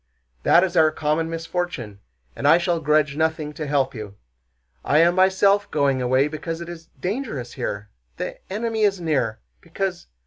That is our common misfortune, and I shall grudge nothing to help you. I am myself going away because it is dangerous here... the enemy is near... because...